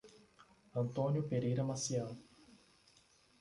Antônio Pereira Maciel